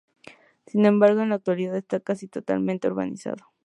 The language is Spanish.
Sin embargo, en la actualidad está casi totalmente urbanizado.